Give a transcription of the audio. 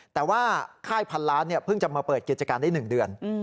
แต่ว่าค่ายพันล้านเพิ่งจะมาเปิดกิจการได้๑เดือน